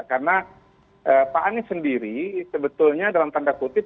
karena pak anies sendiri sebetulnya dalam tanda kutip